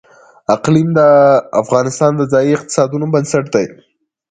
اقلیم د افغانستان د ځایي اقتصادونو بنسټ دی.